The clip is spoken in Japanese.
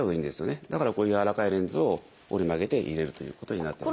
だからこういうやわらかいレンズを折り曲げて入れるということになってます。